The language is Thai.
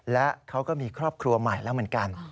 และเขาก็มีครอบครัวใหม่แล้วเหมือนกัน